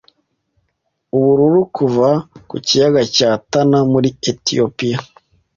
Ubururu kuva ku kiyaga cya Tana muri Etiyopiya